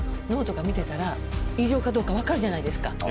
脳とか診てたら異常かどうか分かるじゃないですか。